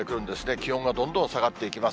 気温がどんどん下がっていきます。